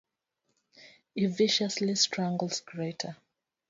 He viciously strangles Greta.